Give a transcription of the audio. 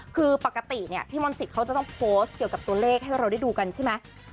คือปกติเนี่ยพี่มนตรีเขาจะต้องโพสต์เกี่ยวกับตัวเลขให้เราได้ดูกันใช่ไหม